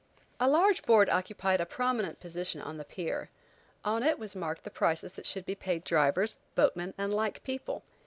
A large board occupied a prominent position on the pier. On it was marked the prices that should be paid drivers, boatmen, and like people.